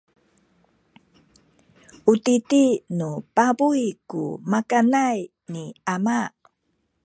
u titi nu pabuy ku makanay ni ama.